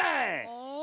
え。